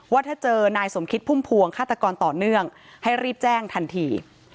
ว่าถ้าเจอนายสมคิดพุ่มพวงฆาตกรต่อเนื่องให้รีบแจ้งทันที